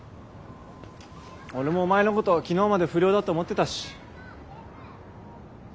俺もお前のこと昨日まで不良だと思ってたし。